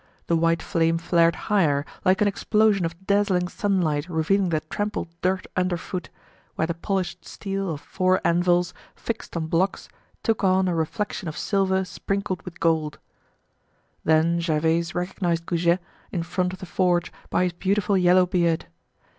The white flame flared higher, like an explosion of dazzling sunlight revealing the trampled dirt underfoot, where the polished steel of four anvils fixed on blocks took on a reflection of silver sprinkled with gold. Then Gervaise recognized Goujet in front of the forge by his beautiful yellow beard.